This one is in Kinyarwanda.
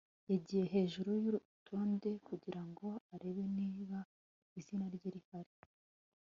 yagiye hejuru y'urutonde kugira ngo arebe niba izina rye rihari